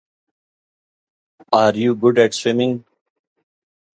Are you good at swimming?